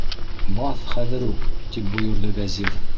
Баҫ хәҙер үк! - тип бойорҙо Вәзир.